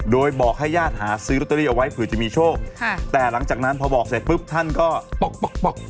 โดยบอกให้ญาติหาซื้อลอตเตอรี่เอาไว้เผื่อจะมีโชคค่ะแต่หลังจากนั้นพอบอกเสร็จปุ๊บท่านก็ป๊อกป๊อกป๊อก